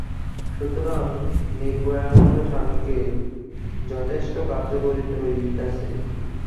সুতরাং নির্ভয়ানন্দ স্বামীকে যথেষ্ট কার্য করিতে হইতেছে।